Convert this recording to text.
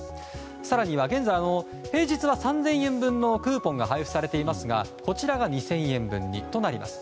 更には現在平日は３０００円分のクーポンが配布されていますが、こちらが２０００円分となります。